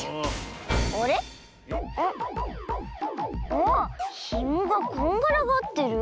ああひもがこんがらがってる。